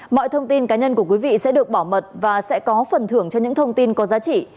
mọi thông tin cá nhân của quý vị sẽ được bảo mật và sẽ có phần thưởng cho những thông tin có giá trị